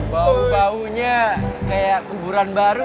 bau baunya kayak kuburan baru